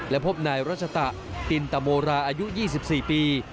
และพบนายรัชตะตินตโมราอายุ๒๔ปี